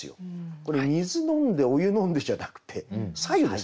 これ水飲んでお湯飲んでじゃなくて白湯です。